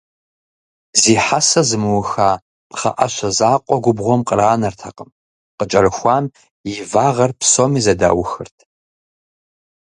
Зи хьэсэ зымыуха пхъэӀэщэ закъуэ губгъуэм къранэртэкъым, къыкӀэрыхуам и вагъэр псоми зэдаухырт.